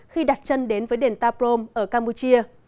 khi đặt chân đến với đền ta prohm ở campuchia